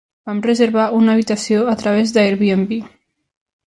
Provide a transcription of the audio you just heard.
Vam reservar una habitació a través d'Airbnb.